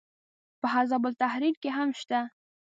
په حزب التحریر کې هم شته.